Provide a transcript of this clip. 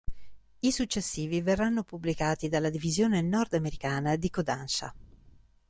I successivi verranno pubblicati dalla divisione nordamericana di Kōdansha.